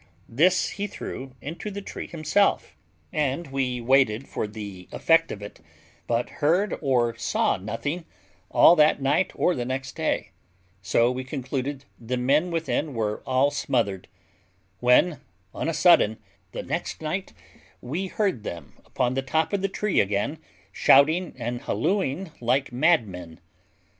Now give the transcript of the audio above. This he threw into the tree himself, and we waited for the effect of it, but heard or saw nothing all that night or the next day; so we concluded the men within were all smothered; when, on a sudden, the next night we heard them upon the top of the tree again shouting and hallooing like madmen.